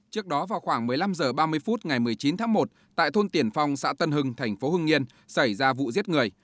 trước đó vào khoảng một mươi năm h ba mươi phút ngày một mươi chín tháng một tại thôn tiển phong xã tân hưng thành phố hưng yên xảy ra vụ giết người